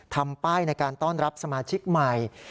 ทำป้ายในการต้อนรับสมาชิกใหม่